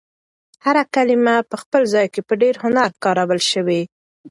هر کلمه په خپل ځای کې په ډېر هنر کارول شوې.